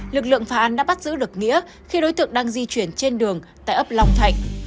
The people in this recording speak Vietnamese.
lực lượng phá án đã bắt giữ được nghĩa khi đối tượng đang di chuyển trên đường tại ấp long thạnh